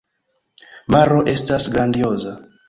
Maro estas grandioza.